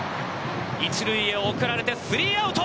一塁へ送られて、スリーアウト。